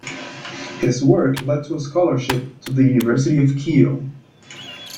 His work led to a scholarship to the University of Kiel.